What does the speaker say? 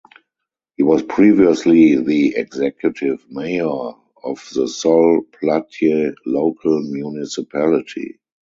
He was previously the Executive Mayor of the Sol Plaatje Local Municipality.